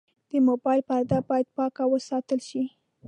د موبایل پرده باید پاکه وساتل شي.